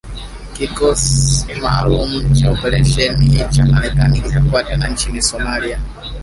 kikosi maalum cha operesheni cha Marekani kitakuwa tena nchini Somalia